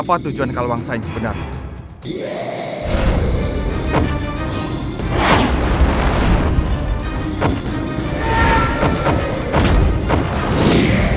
apa tujuan kalawangsa yang sebenarnya